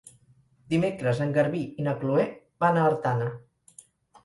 Dimecres en Garbí i na Chloé van a Artana.